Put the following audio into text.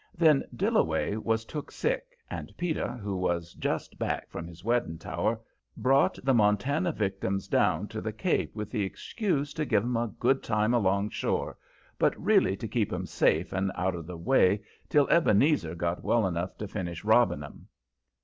Then Dillaway was took sick, and Peter, who was just back from his wedding tower, brought the Montana victims down to the Cape with the excuse to give 'em a good time alongshore, but really to keep 'em safe and out of the way till Ebenezer got well enough to finish robbing 'em.